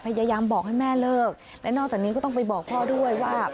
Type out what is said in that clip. พยายามบอกให้แม่เลิกและนอกจากนี้ก็ต้องไปบอกพ่อด้วยว่า